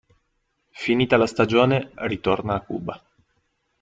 Finita la stagione ritorna a Cuba.